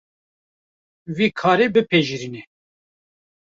Vî karî bipejirîne.